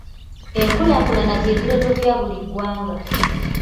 Enkulaakulana kye kirooto kya buli ggwanga.